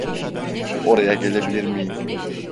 Oraya gelebilir miyim?